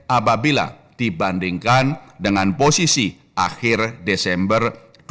apabila dibandingkan dengan posisi akhir desember dua ribu dua puluh